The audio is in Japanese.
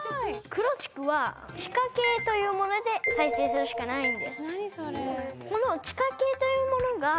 クロチクは地下茎というもので再生するしかないんです